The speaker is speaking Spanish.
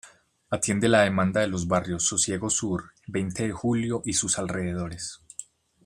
Atiende la demanda de los barrios Sosiego Sur, Veinte de Julio y sus alrededores.